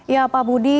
ya pak budi